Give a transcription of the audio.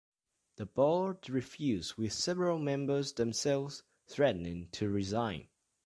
The board refused, with several members themselves threatening to resign.